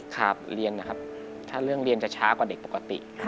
ครับเรียนนะครับถ้าเรื่องเรียนจะช้ากว่าเด็กปกติ